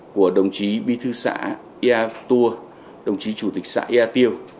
của đồng chí bi thư xã ea tua đồng chí chủ tịch xã ea tiêu